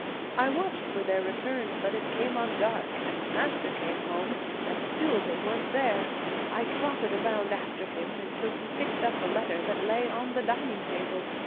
I watched for their return, but it came on dark and master came home, and still they weren't there. I trotted around after him until he picked up a letter that lay on the dining table.